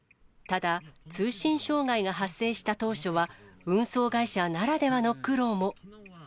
ただ、通信障害が発生した当初は、運送会社ならではの苦労も。